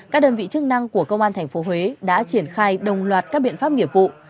các đơn vị chức năng của công an tp huế đã triển khai đồng loạt các biện pháp nghiệp vụ